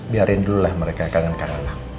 biarin dulu lah mereka kangen kangenan